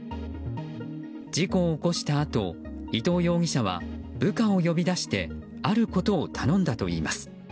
事故を起こしたあと伊藤容疑者は部下を呼び出してあることを頼んだといいます。